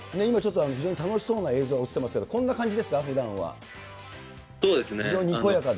今ちょっと、非常に楽しそうな映像が映ってますけど、こんな感じですか、そうですね。